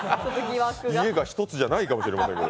家が一つじゃないかもしれません。